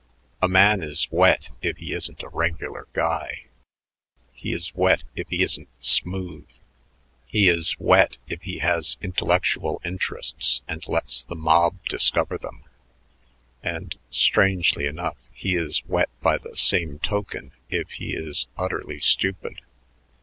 A man is wet if he isn't a 'regular guy'; he is wet if he isn't 'smooth'; he is wet if he has intellectual interests and lets the mob discover them; and, strangely enough, he is wet by the same token if he is utterly stupid.